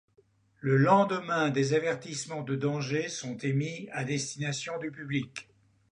Le lendemain, des avertissements de danger sont émis à destination du public.